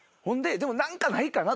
でも何かないかなと。